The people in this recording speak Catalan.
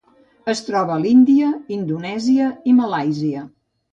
Es troba a l'Índia, Indonèsia i Malàisia.